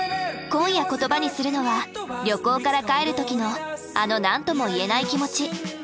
今夜言葉にするのは旅行から帰る時のあの何とも言えない気持ち。